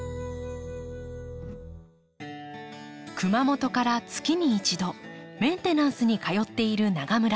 熊本から月に１度メンテナンスに通っている永村さん。